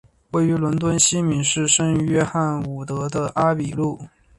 位于伦敦西敏市圣约翰伍德的阿比路。